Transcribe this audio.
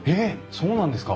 そうなんですか？